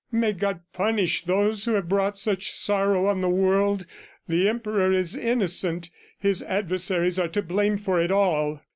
May God punish those who have brought such sorrow on the world! The Emperor is innocent. His adversaries are to blame for it all